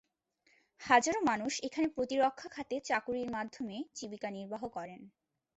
হাজারো মানুষ এখানে প্রতিরক্ষা খাতে চাকরির মাধ্যমে জীবিকা নির্বাহ করেন।